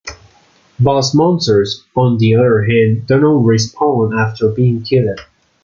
Boss monsters, on the other hand, do not respawn after being killed.